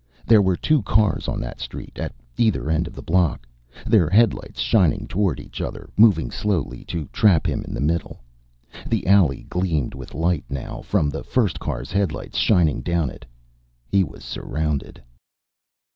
There were two cars on that street, at either end of the block, their headlights shining toward each other, moving slowly to trap him in the middle. The alley gleamed with light now, from the first car's headlights shining down it. He was surrounded.